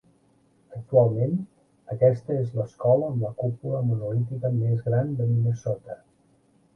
Actualment aquesta és l'escola amb la cúpula monolítica més gran de Minnesota.